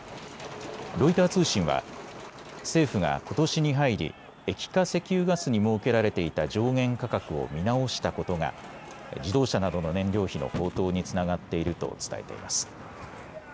ロイター通信は政府がことしに入り、液化石油ガスに設けられていた上限価格を見直したことが自動車などの燃料費の高騰につながっていると伝えています。